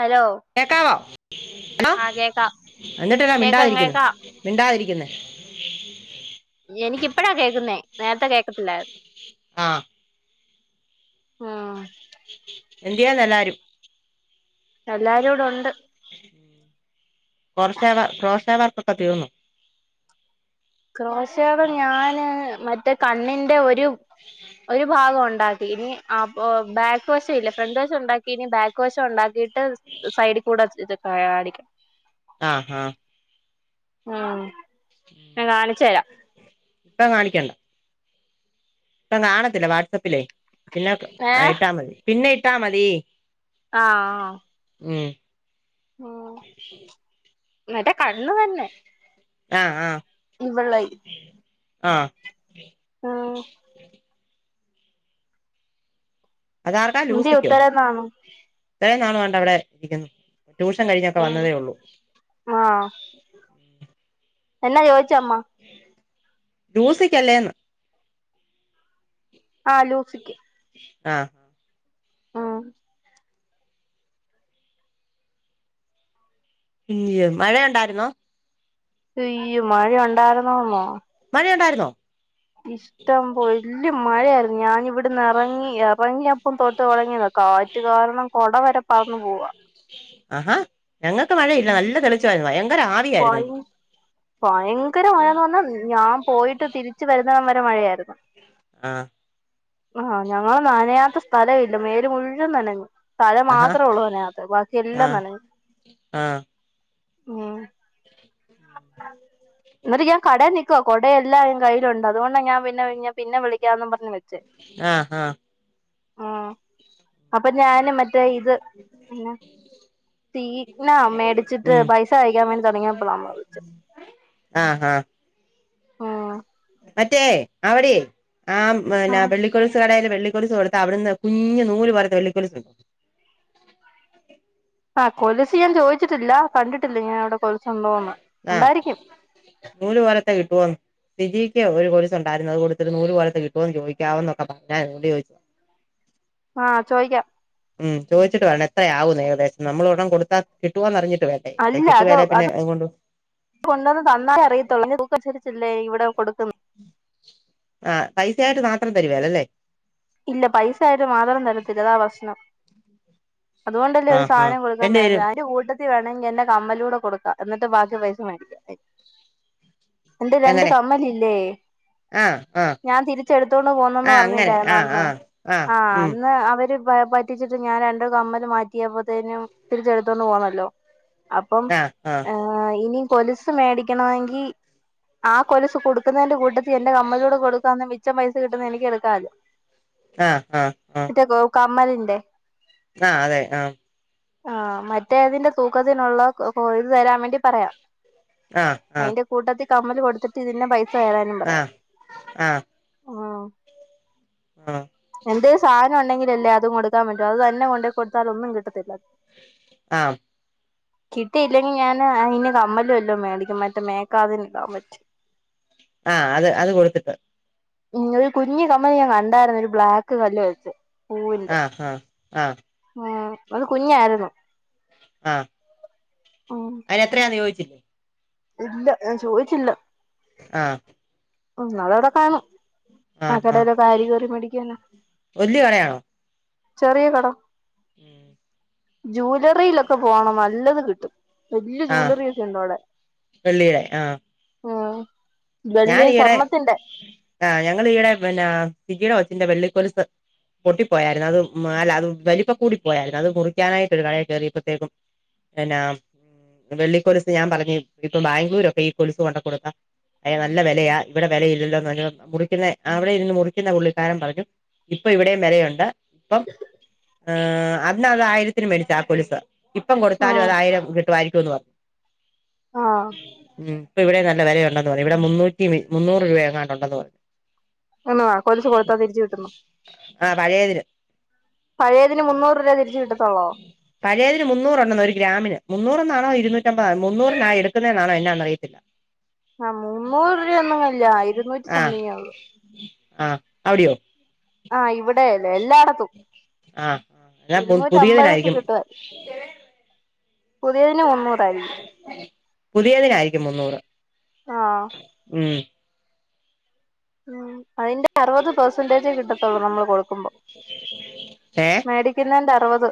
Hello കേക്കാവോ ആ കേക്കാം എന്നിട്ടെന്നാ കേക്കാം മിണ്ടാതിരിക്ക്ന്നെ കേക്കാം മിണ്ടാതിരിക്ക് ന്നെ എനിക്കിപ്പഴാ കേക്കുന്നേ നേര്ത്തെ കേക്കത്തില്ലായിര്ന്നു ആഹ് ആഹ് എന്ത്യേ ന്നല്ലാരും എല്ലാരു ടെ ഉണ്ട് [unintelligible] വർക്കൊക്കെ തീർന്നു ക്രോശക ഞാന് മറ്റേ കണ്ണിന്റെ ഒരു ഒരു ഭാഗം ഉണ്ടാക്കി ഇനി അപ്പൊ ബാക്ക് വഷെല്ലേ ഫ്രണ്ട് വഷൊണ്ടാക്കി ഇനി ബാക്ക് വഷൊണ്ടാക്കിട്ട് സൈഡിൽ കൂടെ ട്രയാടിക് ആഹ് ആഹ് ആഹ് ഞാ കാണിച്ചരാം ഇപ്പ കാണിക്കണ്ട ഇപ്പം കാണത്തില്ല വാട്സാപ്പിലേ പിന്നെ ക് ഏ ആയിട്ടാ മതി പിന്നെ ട്ടാ മതി ആഹ് ഉം ളം മററ്റെ കണ്ണു തന്നെ ആ ഇവളെയ് ആഹ് പുതി ഉത്തരത്താണു എത്രേ നാള് കൊണ്ട് അവിടെ ഇരിക്കുന്നു ട്യൂഷൻ കഴിഞ്ഞൊക്കെ ഉം വന്നതേ ഒള്ളു ആ എന്നാ ചോ [unintelligible] ചമ്മ ലൂസിക്കല്ലേന്ന് ആ ലൂസിക്ക് ആഹ് ആഹ് [unintelligible] മഴ ഉണ്ടായിരുന്നോ ഹൊയ് ഇയ്യ് മഴ ഉണ്ടായിരുന്നോന്നോ ന്നോ ഇഷ്ടമ്പൊല്ല് മഴയര് ന്ന് വാന് ഇവിട് ന്നിറങ്ങി ഇറങ്ങിയപ്പം തൊട്ട് തൊടങ്ങിത കാറ്റ് കാരണം കൊടവരെ പറന്നു പോവാ ആഹ്ഹാ ആവിയായിരുന്നു ഭയി ഇന്ന് ഭായിങ്കര മഴയെന്ന് പറഞ്ഞ ഞാൻ പോയിട്ട് തിരിച്ച വരുന്ന ന്നിടം വരെ മഴയായിരുന്നു ആഹ് ആഹ് ഞാന് ഞാൻ നനയാത്ത സ്ഥലവില്ല മേല് മുഴുവൻ നനഞ്ഞു തല ആഹാ മാത്രേ ഒള്ളൂ നനയാത്തെ ബാക്കി ആ എല്ലാം നനഞ്ഞു ആ മ്മ് എന്നിട്ട് ഞാൻ കടെ നിക്കുവ കൊട എല്ലാം കയ്യിലൊണ്ട് അതുകൊണ്ടാ ഞാൻ പിന്നെ പിന്നെ വിളിക്കാന്നും പറഞ്ഞ് വെച്ചേ ആഹ് ആഹ് ആ അപ്പ ഞാന് മറ്റേ ഇത് സീറ്റ്നാ മേടിച്ചിട്ട് ഉം പൈസ അയക്കാൻ വേണ്ടി തുടങ്ങിയപ്പോളമ്മ വിളിചെ ആഹ് ആഹ് ആഹ് മറ്റേ അവിടെയെ ആഹ് മ് നാ വെള്ളികൊലുസ് കടേലെ വെള്ളിക്കൊലിസ്സ് കൊടുത്ത് അവിടുന്ന് കുഞ്ഞ് നൂല് പോലത്തെ വെള്ളിക്കൊലിസ്സ് ആഹ് കൊലിസ്സ് ഞാൻ ചോദിച്ചിട്ടില്ല കണ്ടിട്ടില്ല ഞാൻ അവിടെ കൊലുസുണ്ടോന്ന് ആഹ് ഉണ്ടായിരിക്കും നൂല് പോലത്തെ കിട്ടുവോന്ന് വിജിക്ക് ഒരു കൊലുസ്സ് ഉണ്ടായിരുന്നു അത് കൊടുത്തിരുന്നു നൂല് പോലത്തെ കിട്ടുവൊന്ന് ചോദിക്കാവൊന്നൊക്കെ പറഞ്ഞായിരുന്നു അതോണ്ട് ചോയിച്ചയാ ആഹ് ചോയിക്കാം ഉം ചോദിച്ചിട്ട് പറയണേ എത്രയാവും ഏകദേശം നമ്മള് ഒരെണ്ണം കൊടുത്താ കിട്ടുവോന്നറിഞ്ഞിട്ട് വേണ്ടേ അല്ലെ അല്ല അത് കിട്ടുവെലെ അത് കൊണ്ടുവന്ന് തന്നാലേ അറിയത്തോള്ള് [inaudible] അല്ലേ ഇവിടെ കൊടുക്കുന്നു ആ പൈസയായിട്ട് മാത്രം തരുവെല്ലല്ലേ ഇല്ല പൈസ ആയിട്ട് മാത്രം തരത്തില്ല അതാ പ്രശ്നം അതുകൊണ്ടല്ലേെ ഒരു ആഹ് ആഹ് സാധനം കൊടുക്കൻ രണ്ടുപേരും [unintelligible] അതിന്റെ കൂട്ടത്തിൽ വേണമെങ്കിൽ എന്റെ കമ്മലൂടെ കൊടുക്കാം എന്നിട്ട് ബാക്കി പൈസ മേടിക്കാം എന്റെ രണ്ട് എങ്ങനെ കമ്മലില്ലേ ആഹ് ആഹ് ഞാൻ തിരിച്ചെടുത്തോണ്ട് പോന്നന്ന് ആഹ് അങ്ങനെ പറഞ്ഞില്ലർന്നോ ആഹ് ആഹ് ആഹ് ആ ഉം അന്ന് അവര് പറ്റിച്ചിട്ട് ഞാൻ രണ്ട്കമ്മല് മാറ്റിയപ്പോത്തേനും തിരിച്ചെടുത്തോണ്ട് പോന്നല്ലോ അപ്പം ആഹ് ആഹ് ആ ഇനി കൊലുസ് മേടിക്കണമെങ്കി ആ കൊലുസ് കൊടുക്കുന്നതിന്റെ കൂട്ടത്തിൽ എന്റെ കമ്മലൂടെ കൊടുക്കാന്നെ മിച്ചം പൈസ കിട്ടുന്ന എനിക്ക് എടുക്കാല്ലോ ആ ആ ആ മ്മലിന്റെ ആ അതെ ആഹ് ആ മറ്റേതിന്റെ തൂക്കത്തിനുള്ള ഇത് തരാൻ വേണ്ടി പറയാം. ആഹ് ആഹ് അയിന്റെ കൂട്ടത്തി കമ്മല് കൊട്ത് - ഇതിന്റെ പൈസ തരാനും പറയാ. ആഹ് ആഹ് ഉം ആഹ് എന്തേ സാന ഉണ്ടെങ്കിലല്ലേ അതും കൊടുക്കാൻ പറ്റു. അത് തന്നെ കൊണ്ടെ കൊട്ത്താ ഒന്നും കിട്ടത്തില്ല. ആഹ് കിട്ടിയില്ലെങ്കി ഞാന് അയിന് കമ്മലു വല്ലോ മേടിക്കും മറ്റേ മേക്കാതിന് ഇടാൻ പറ്റ് ആഹ് അത് അത് കൊടുത്തിട്ട് ഉം ഒരു കുഞ്ഞ് കമ്മല് ഞാൻ കണ്ടായ്രുന്നു ഒരു ബ്ലാക്ക് കല്ല് വെച്ച് പൂവിന്റെ ആഹ് ആഹ് ആഹ് ഉം അത് കുഞ്ഞാര്ന്നു ആഹ് അയിനെത്രയാന്ന് ചോയിചില്ലേ ഇല്ല ഞാൻ ചോദിച്ചില്ല ആഹ് ഉം അതവിടെ കാണും. ആഹ് കടേല് ആര് കേറി മേടിക്കാനാ. വലിയ ചെറിയ കട ഉം ജൂലറിലൊക് ക്കെ പോണം നല്ലത് കിട്ടും. വല്യ ആഹ് ജൂവ്ലലറി ഒക്കെ ണ്ടവടെ. വെള്ളിയുടെ ആഹ് ഉംഹ് ഞാൻ ഈയിടെ ആ ഹ് ഞങ്ങൾ ഈയിടെ പിന്നെ [unintelligible] ത്തിന്റെ വെള്ളിക്കൊലിസ് പൊട്ടിപ്പോയായിരുന്നു അത് മല്ല അത് വലിപ്പം കൂടി പോയായിരുന്നു, അത് മുറിക്കാനായിട്ട് ഒരു കടെ കയറിപ്പഴത്തേക്കും പിന്ന വെള്ളിക്കൊലിസ് ഞാൻ പറഞ്ഞു ഇപ്പൊ ബാംഗ്ലൂരൊക്കെ ഈ കൊലിസ് കൊണ്ട കൊടുത്താ അ നല്ല വിലയാ, ഇവിടെ വിലയില്ലല്ലോന്ന് പറഞ്ഞ മുറിക്കുന്ന അവിടെ ഇരുന്ന് മുറിക്കുന്ന പുള്ളിക്കാരൻ പറഞ്ഞു ഇപ്പൊ ഇവിടെയും വിലയുണ്ട് അപ്പം ആഹ് അന്ന് അത് ആയിരത്തിന് മേടിച്ച് ആഹ് കൊലുസ് ഇപ്പം കൊടുത്താലും ഉം അതായിരം കിട്ടുമായിരിക്കും ട്ടുന്ന് പറഞ്ഞു ആഹ് ഉം ഇവിടെ നല്ല വെലയുണ്ട് ഇവിടെ മുന്നൂറ്റി മുന്നൂറ് രൂപ എങ്ങാണ്ടുണ്ടെന്ന് പറഞ്ഞു ആണാ കൊലുസ് കൊടുത്ത തിരിച്ചു കിട്ടുന്ന് ആ പഴയതിന് പഴയതിന് മുന്നൂറ് രൂപ തിരിച്ചു കിട്ട‌ത്തോളോ പഴയതിന് മുന്നൂറുണ്ടെന്ന് ഒരു ഗ്രാമിന് മുന്നൂറെന്നാണോ ഇരുന്നൂറ്റമ്പത മുന്നൂറിനാ എടുക്കുന്നേ എന്നാണ് എന്നാന്നറിയത്തില്ല ആഹ് മുന്നൂറ് രൂപ ഒന്നുമില്ലാ ഇരുന്നൂറ്റി ആഹ് സംതിങ്ങെ ഒള്ളു ആഹ് അവിടെയോ ആഹ് ഇവടെ എല്ലാടത്തും ആഹ് എന്നാ ഇരുന്നൂറ്റമ്പതൊക്കെ പുതിയതിനായിരിക്കും കിട്ടുവാ പുതിയതിന് മുന്നൂറായിരിക്കും പുതിയതിനായിരിക്കും മുന്നൂറ് ആഹ് ഉം ഉം അയിന്റെ അറുപത് പെർസെന്റേജേ കിട്ടത്തുള്ളൂ നമ്മള് കൊടുക്കുമ്പോ ഏ മേടിക്കുന്നതിന്റെ അറുപത്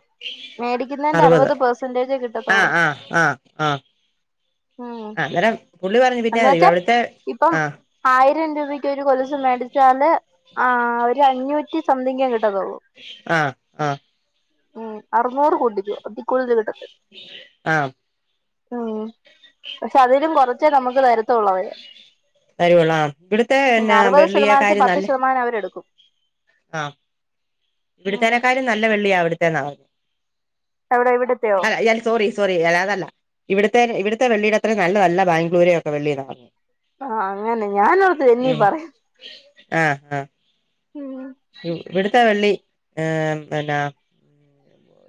മേടിക്കുന്നതിന്റെ അറുപത് പെർസെന്റേജേ ആഹ് കിട്ടത്തോളുന്ന് ആഹ് ആഹ് ആഹ് ഉം ആ അന്നേരം പുള്ളി പറഞ്ഞു പിന്നെ എന്ന് വെച്ചാ അവിടുത്തെ ഇപ്പം ആഹ് ആയിരം രൂപ കൊലസു മേടിച്ചാല് ആ ഒരഞ്ഞൂറ്റി സംതിങ്ങെ കിട്ടത്തൊള്ളൂ ആ ആ ഉം അറുന്നൂറ് കൂട്ടിക്കോ അതി കൂടുതല് കിട്ടത്തി ആ ഉം പക്ഷെ അതിലും കൊറച്ചേ നമുക്ക് താരത്തൊള്ളു അവര് തരുവൊള്ളോ ആം അറുപത് ശതമാനത്തി പത്ത് ശതമാനം അവരെടുക്കും ആഹ് ഉം ഇവിടത്തേനേക്കാലും നല്ല വെള്ളിയാ അവിടുത്തേന്നാ പറഞ്ഞേ എവിടെ ഇവിടത്തെയോ അല്ല സോറി സോറി അല അതല്ല ഇവിടു ത്തെ ഇവിടിത്തെ വെള്ളിടെ അത്ര നല്ലതല്ല ബാംഗ്ലൂര് ഒക്കെ വെള്ളി എന്നാ പറഞ്ഞേ ആഹ് അങ്ങനെ ഞാനോർത്ത് എന്നാ ഈ പറയു ഉം ഇവിടുത്തെ വെള്ളി ഏഹ് പിന്നാ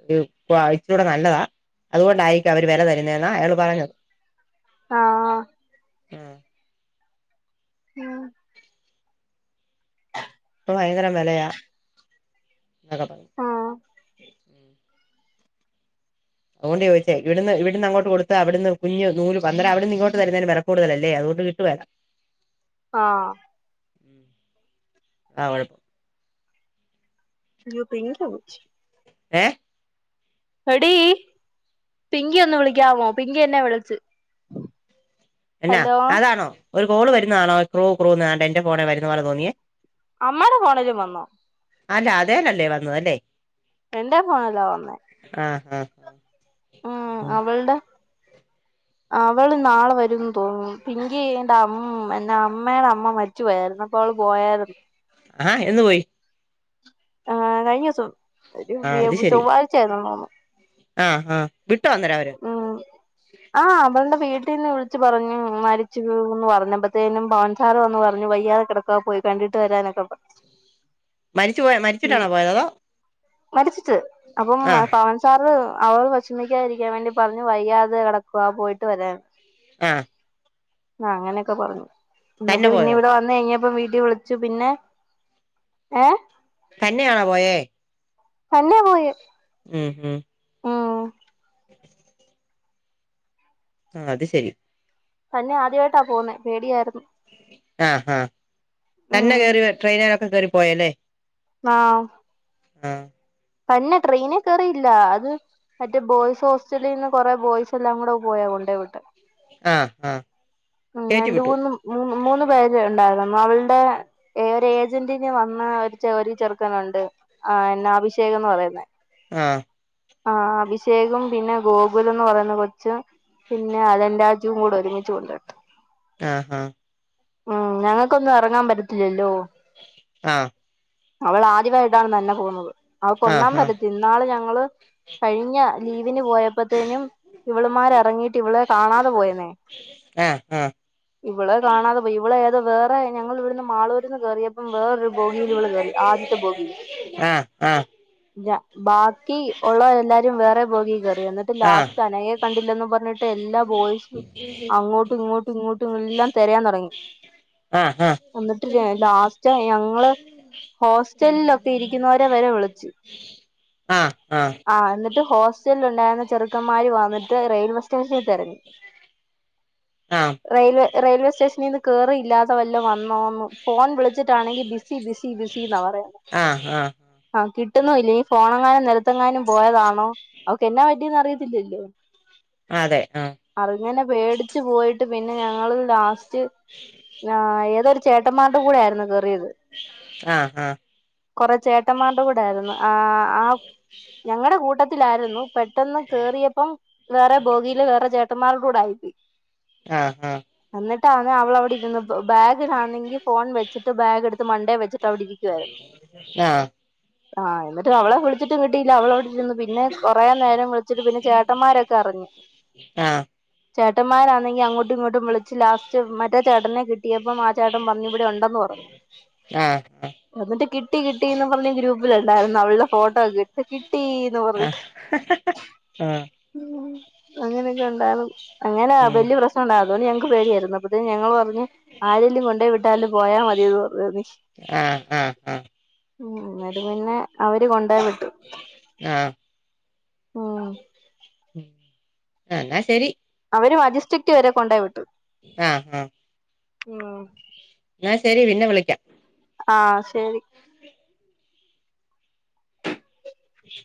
ഒരു ക്വാളിറ്റി ഇച്ചിരിക്കൂടെ നല്ലതാ അതുകൊണ്ടായിരിക്കും അവര് വെല തരുന്നേന്നാ അയാള് പറഞ്ഞത് ആഹ് ആഹ് ഉം ഭയങ്കരം വെലയാ എന്നക്ക പറഞ്ഞു. ആഹ് അതുകൊണ്ട് ചോയ്ച്ചയ ഇവിടുന്ന് ഇവിടുന്ന് അങ്ങോട്ട് കൊടുത്താ അവിടന്ന് കുഞ്ഞ് നൂല് അന്നരം അവടെന്ന് ഇങ്ങോട്ട് തരുന്നേന് വെല കൂടുതലല്ലേ അതുകൊണ്ട് കിട്ടുവേല്ല ആഹ് ആ [unintelligible] [unintelligible] ഏ എഡീ പിങ്കിയെ ഒന്ന് വിളിക്കാവോ പിങ്കി എന്നെ വിളിച്ച് എന്നാ ഹലോ അതാണോ? ഒരു കോള് വരുന്നതാണോ ക്രൂ ക്രൂന്ന് തേണ്ടെ എന്റെ ഫോണെ വരുന്ന പോലെ തോന്നിയേ അമ്മേടെ ഫോണിലും വന്നോ? അല്ല അതേലല്ലേ വന്നത് അല്ലേ എന്റെ ഫോണിലാ വന്നെ ആ ഉം അവൾടെ അവള് നാളെ വരും തോന്നുന്നു പിങ്കി എന്റെ അമ്മ എന്ന അമ്മേടെ അമ്മ മരിച്ചുപോയായിരുന്നു അപ്പൊ അവള് പോയായ്രുന്നു ആഹ എന്ന് പോയി ആഹ കഴിഞ ദിവസം ആ ഒരു ചൊവ്വാഴ്ചയായിരുന്നുു ആഹ ആഹ ഉം ആഹ അവളുടെ വീട് കുട്ടീന്ന് വിളിച്ചു പറഞ്ഞു മരിച്ചുന്ന് പറഞ്ഞപ്പോത്തേനും പവൻസാർ വന്ന്ു പറഞ്ഞു വയ്യാതെ കിടക്കാ പോയി കണ്ടിട്ട് വരാനൊക്കെ മരിച്ചു പോയ മരിച്ചിട്ടാണോ പോയത്തോ മരിച്ചു അപ്പം പവൻ സാർ അവള് വിഷമിക്കാതിരിക്കാൻ വേണ്ടി പറഞ്ഞു വയ്യാതെ കിടക്കുക പോയിട്ട് വരാൻ ആഹ ആ അങ്ങനെയൊക്കെ പറഞ്ഞു എന്നി് തന്നെ പിന്നെ പോയോ ഇവിടെ വന്ന് കഴിഞ്ഞപ്പ ഇ വിളിച്ചു പിന്നെ ഏ തന്നെയാണോ പോയേ തന്നെ പോയി ഉം ഉം [inaudible] ആ അത് ശരി തന്നെ ആദ്യമായിട്ടാ പോന്നെ പേടിയായിരുന്നു ആഹ് ആ തന്നെ ഉം കേറി ട്രെയിനനൊക്കെ കയറി പോ - പോയില്ലേ ഇല്ലേ ആഹ ആഹ പിന്നെ ട്രെയിന കയറിയില്ല അത് മറ്റേ ബോയ്സ് ഹോസ്റ്റലിൽ നിന്ന് കൊറെ ബോയ്സ് എല്ലാം കൂടെ പോയാ കൊണ്ടേ വിട്ട് ആഹ് ആഹ് ഉ കേറ്റി രണ്ട് വിട്ടു മൂന്ന്ൂന്ന് മൂന്ന ണ്ടായി അവുടെ ഒരു ഏജന്റിന് വന്ന ഒരു ച ഒരു ചെറുക്കനുണ്ട് എന്ന ആശ അത്യേകംന്ന് പറയുന്നത് [unintelligible] ആഹ ആ അഭിഷേകും പിന്നെ ഗോകുലന്ന് പറയുന്ന കൊച്ച് പിന്നെ അലൻ രാ [unintelligible] കൂടെ ഒരുമിച്ചു കൊണ്ടട്ട് ആഹ് ഉം ഞങ്ങക്കൊന്നും എറങ്ങാൻ പറ്റത്തില്ലല്ലോ ആഹ് അവൾ ആദ്യമായിട്ടാണ് തന്നെ പോവുന്നത് ആഹ് അവക്കൊന്നാമത് തിന്നാള് ഞങ്ങള് കഴിഞ്ഞ ലീവിന് പോയപ്പത്തേനും ഇവളമാര് എറങ്ങി ഇവളെ കാണാതെ പോയന്നെ ആഹ് ആഹ് ഇവളെ കാണാതെ പോയി ഇവളെ [unintelligible] വേറെ ഞങ്ങൾ ഇവിടുന്ന് മാളൂര്ന്ന് കേറിയപ്പം വേറൊരു ബോഗിയിലിവള് കേറി ആദ്യത്തെ ബോഗിയില് ആഹ് ആഹ് [unintelligible] ബാക്കി ഉള്ളത് എല്ലാരും വേറെ ബോഗി കേറി എന്നിട്ട് ആഹ് ലാസ്റ്റ് അനയെ കണ്ടില്ലെന്നും പറഞ്ഞിട്ട് എല്ലാ ബോയ്‌സും അങ്ങോട്ടും ഇങ്ങോട്ടും ഇങ്ങോ എല്ലാം തെരയാൻ തൊടങ്ങി ആഹ് എന്നിട്ട് ലാസ്റ്റ് ഞങ്ങള് ഹോസ്റ്റലിലൊക്കെ ഇരിക്കുന്നവരെ വരെ വിളിച്ച് ആഹ് എന്നി ട്ട് ഹോസ്റ്റലുണ്ടായിരുന്ന ചെറുക്കമ്മാര് വന്നിട്ട് റെയിൽവെ സ്റ്റേഷനി തെരഞ്ഞ് ആഹ് ആഹ് റെയിൽവേ റെയിൽവേ സ്റ്റേഷനിന്ന് കേറിയില്ല [unintelligible] വന്നോ ന്ന് ഫോൺ വിളിച്ചിട്ടാണെങ്കി ബിസി ബിസി ബിസി ന്നാ പറയുന്നെ. ആഹ് ആഹ് [unintelligible] ഇനി ഫോണ എങ്ങന [unintelligible] പോയതന്നോ അവക്ക് എന്നാ പറ്റിയന്ന് അറിയത്തില്ലല്ലോ. അതെ ആഹ് അറിങ്ങനെ പേടിച്ചു പോയിട്ട് പിന്നെ ഞങ്ങള് ലാസ്റ്റ് ആ ഏതൊരു. ചേട്ടമാർടെ കൂടെ ആയിരുന്നു [unintelligible] [unintelligible] ആഹ് ആഹ് കൊറ ചേട്ടന്മാരുടെ കൂടൊയിരുന്നു ആ ആ. ഞങ്ങളുടെ [unintelligible] [unintelligible] പെട്ടെന്ന് കേയറിയപ്പം വേറെ ബോഗിൽ വേറെ [unintelligible] [unintelligible] ആഹ് എന്നിട്ടാന്ന് അവളവിടെ ഇരുന്ന് ബാഗാന്നെങ്കി ഫോൺ വെച്ചിട്ട് ബാഗ എടുത്ത് മൺണ്ടേ വെച്ചിട്ട് അവിടെ ഇരിക്കുവായിരുന്നു ആഹ് ആ എന്നിട്ട് അവളെ വിളിച്ചിട്ട് [unintelligible] [unintelligible] കിട്ടിയില്ല അവളവിടിരുന്നു പിന്നെ കൊറെ നേരം വിളിച്ചിട്ട് പിന്നെ ചേട്ടന്മാരൊക്കെ അറിഞ്ഞു. ആഹ് [unintelligible] അങ്ങോട്ടും ഇങ്ങോട്ടും വിളിച്ച് ലാസ്റ്റ് മറ്റേ ചേട്ടനെ കിട്ടിയപ്പം ആ ചേട്ടൻ പറഞ്ഞ് ഇവിടെ ഉണ്ടെന്ന് പറഞ്ഞു ആഹ് ആഹ് [unintelligible] എന്നിട്ട് കിട്ടി കിട്ടിന്ന് [unintelligible] ഉണ്ടായിരുന്നു അവളുടെ ഫോട്ടോ [unintelligible] കിട്ടീന്ന് ആ ഹ ഹ ഹ [inaudible] [unintelligible] അങ്ങന ഉം വല്യപ്രശ്നം [inaudible] അത്കൊണ്ട് ഞങ്ങക്ക് പേടിയായിര്ന്നു അപ്പത്തന്നെ ഞങ്ങൾ പറഞ്ഞ് ആരെലും കൊണ്ടേയ് വിട്ടാൽ പോയാ മതിന്ന് പറഞ്ഞ് ആഹ് ആഹ് ആഹ് ഇന്നട്ട് പിന്നെ അവ [unintelligible] ആഹ് [unintelligible] അ എന്നാ ശെരി അവര് മജിസ്ട്രിക്റ്റ് വരെ കൊണ്ടായി വിട്ടു മ് എന്ന ശെരി പിന്നെ വിളിക്കാം ആ ശെരി ശ്